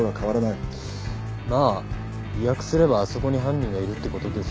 まあ意訳すればあそこに犯人がいるって事です。